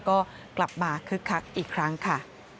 ก็กลับมาคึกคักอีกครั้งค่ะ